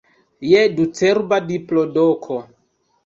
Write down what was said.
Je ducerba diplodoko!